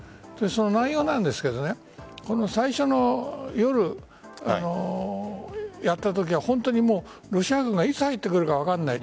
その内容なんですが最初の夜やったときはロシア軍がいつ入ってくるか分からない。